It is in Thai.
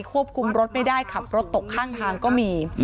ควบคุมรถไม่ได้ขับรถตกข้างทางก็มี